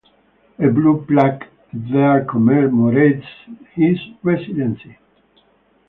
A blue plaque there commemorates his residency.